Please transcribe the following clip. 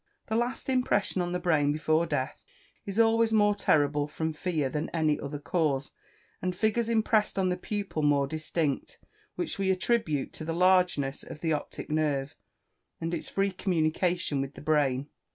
The last impression on the brain before death is always more terrible from fear than any other cause, and figures impressed on the pupil more distinct, which we attribute to the largeness of the optic nerve, and its free communication with the brain."